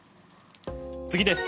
次です。